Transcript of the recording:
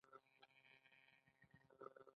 پي ټي ايم د امن سمبول دی.